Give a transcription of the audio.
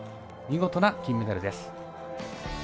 見事な金メダルです。